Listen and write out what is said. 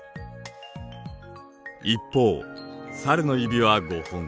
一方サルの指は５本。